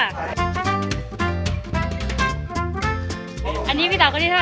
อนะมันนี่ใครสวยที่สุด